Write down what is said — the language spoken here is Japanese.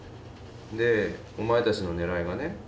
でお前たちのねらいはね